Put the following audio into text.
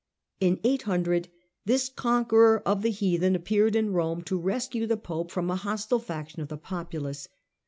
In 800 this conqueror of the heathen appeared in Rome to rescue the Pope from a hostile faction of the populace.